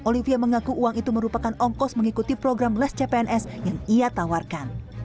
olivia mengaku uang itu merupakan ongkos mengikuti program les cpns yang ia tawarkan